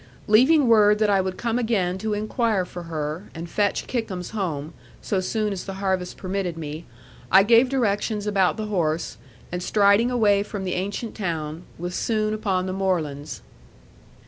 Leaving word that I would come again to inquire for her, and fetch Kickums home, so soon as the harvest permitted me, I gave directions about the horse, and striding away from the ancient town, was soon upon the moorlands.